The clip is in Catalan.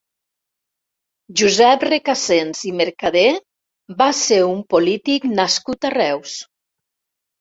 Josep Recasens i Mercadé va ser un polític nascut a Reus.